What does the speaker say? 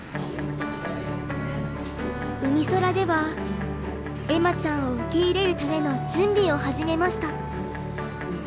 うみそらでは恵麻ちゃんを受け入れるための準備を始めました。